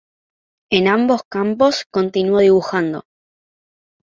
En ambos campos, continuó dibujando.